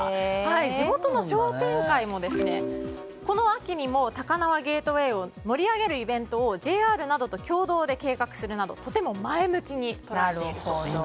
地元の商店会もこの秋にも高輪ゲートウェイを盛り上げるイベントをＪＲなどと共同で計画するなどとても前向きに捉えているそうです。